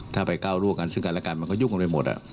ถ้าไปเก้ารั่วกันซึ่งอำนาจการมันก็ยุ่งไปหมด